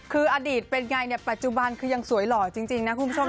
คืออดีตเป็นไงเนี่ยปัจจุบันคือยังสวยหล่อจริงนะคุณผู้ชม